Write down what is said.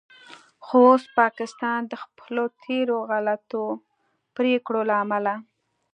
خو اوس پاکستان د خپلو تیرو غلطو پریکړو له امله